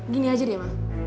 gini aja deh mah